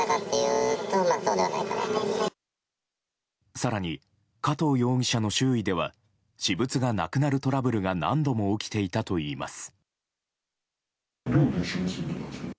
更に、加藤容疑者の周囲では私物がなくなるトラブルが何度も起きていたといいます。